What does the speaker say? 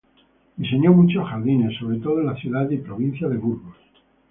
Diseñó muchos jardines, sobre todo en la ciudad y provincia de Burgos.